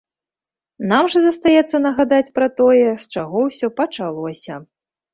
Нам жа застаецца нагадаць пра тое, з чаго ўсё пачалося.